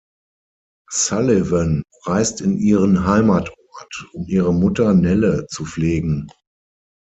Sullivan reist in ihren Heimatort, um ihre Mutter Nelle zu pflegen.